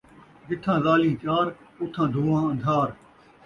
جتھاں ذالیں چار، اُتھاں دھواں اندھار